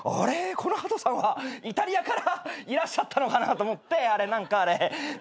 このハトさんはイタリアからいらっしゃったのかなと思ってあれ何かあれ見てた。